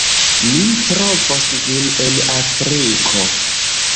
Mi trovos vin en Afriko